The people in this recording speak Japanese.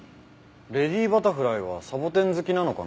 レディバタフライはサボテン好きなのかな？